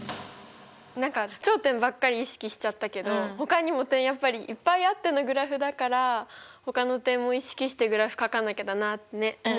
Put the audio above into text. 何か頂点ばっかり意識しちゃったけどほかにも点いっぱいあってのグラフだからほかの点も意識してグラフかかなきゃだなってね思った。